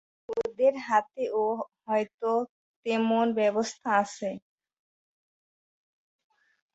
ওদের হাতেও হয়তো তেমন ব্যবস্থা আছে।